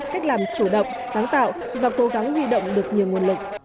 cách làm chủ động sáng tạo và cố gắng huy động được nhiều nguồn lực